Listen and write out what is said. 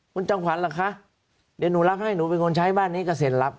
คุณจำขวัญเหรอคะเดี๋ยวหนูรับให้หนูเป็นคนใช้บ้านนี้เกษียณลับ